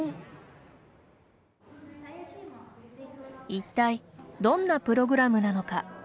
一体どんなプログラムなのか。